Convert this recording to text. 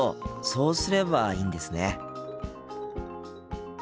そうすればいいんですね。